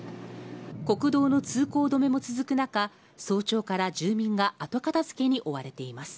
国道の通行止めも続く中、早朝から住民が後片づけに追われています。